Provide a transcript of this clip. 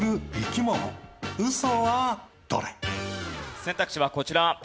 選択肢はこちら。